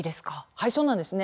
はいそうなんですね。